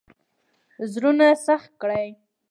زړونه سخت کړي.